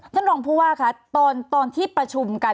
ท่านรองผู้ว่าพอประชุมกัน